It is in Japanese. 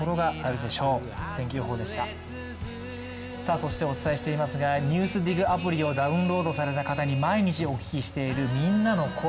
そしてお伝えしていますが「ＮＥＷＳＤＩＧ」アプリをダウンロードしている方に毎日お聞きしている、みんなの声。